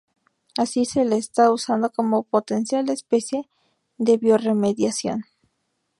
Así, se la está usando como potencial especie de biorremediación.